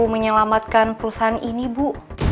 menyelamatkan perusahaan ini bu